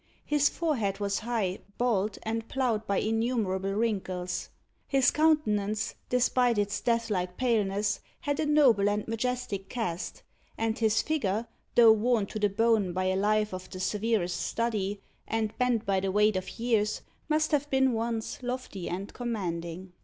His forehead was high, bald, and ploughed by innumerable wrinkles. His countenance, despite its death like paleness, had a noble and majestic cast; and his figure, though worn to the bone by a life of the severest study, and bent by the weight of years, must have been once lofty and commanding.